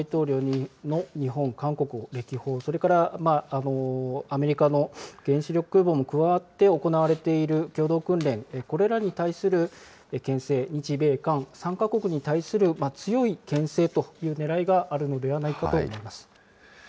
先ほどもお伝えしましたけれども、ハリス副大統領の日本、韓国歴訪、それからアメリカの原子力空母も加わって行われている共同訓練、これらに対するけん制、日米韓３か国に対する強いけん制というねらいがあるのではないかと思います。